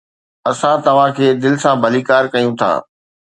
اسان توهان کي دل سان ڀليڪار ڪيون ٿا